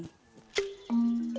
masih ada yang di atas